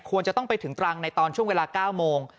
ควรจะต้องไปถึงตรังในตอนช่วงเวลา๙โมง